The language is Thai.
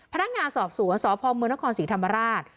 พนักงานสอบสู่วันสอบภอมเมืองนครสีธรรมราช